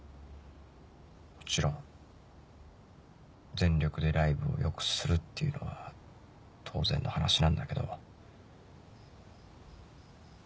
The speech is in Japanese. もちろん全力でライブを良くするっていうのは当然の話なんだけど。